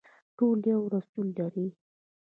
ټول یو رسول لري